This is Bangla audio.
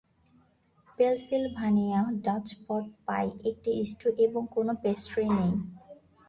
পেনসিলভানিয়া ডাচ পট পাই একটি স্ট্যু এবং কোন পেস্ট্রি নেই।